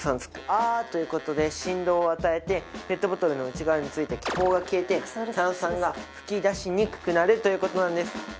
「あ」と言う事で振動を与えてペットボトルの内側に付いた気泡が消えて炭酸が噴き出しにくくなるという事なんです。